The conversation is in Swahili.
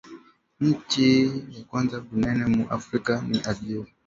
Inchi ya kwanza ku bunene mu afrika ni algeria